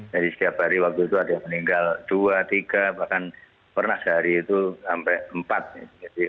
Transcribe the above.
jadi setiap hari waktu itu ada yang meninggal dua tiga bahkan pernah sehari itu sampai empat